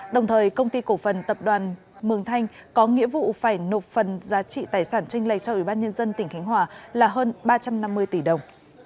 đồng thời công ty cổ phần tập đoàn mường thanh có nghĩa vụ phải nộp phần giá trị tài sản tranh lệch cho ubnd tp nha trang là hơn ba trăm năm mươi tỷ đồng